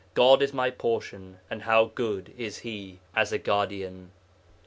God is my portion, and how good is He as a guardian!'